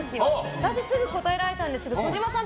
私すぐ答えられたんですけど児嶋さん